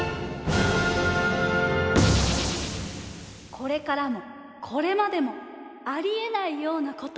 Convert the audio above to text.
これからもこれまでもありえないようなこと！